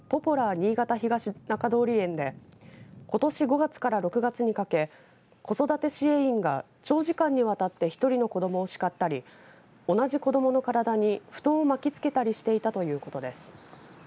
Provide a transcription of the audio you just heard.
新潟東中通園でことし５月から６月にかけ子育て支援員が長時間にわたって１人の子どもを叱ったり同じ子どもの体に布団を巻きつけたりしていたということです。